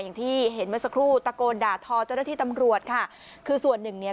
อย่างที่เห็นเมื่อสักครู่ตะโกนด่าทอเจ้าหน้าที่ตำรวจค่ะคือส่วนหนึ่งเนี่ย